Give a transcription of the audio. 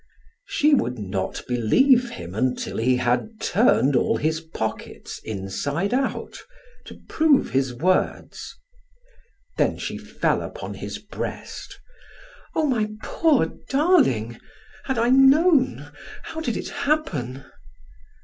She would not believe him until he had turned all his pockets inside out, to prove his words. Then she fell upon his breast: "Oh, my poor darling! Had I known! How did it happen?"